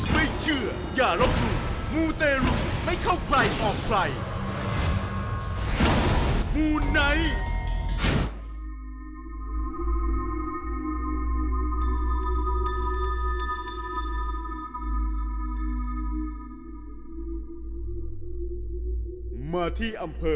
มาที่อำเภอ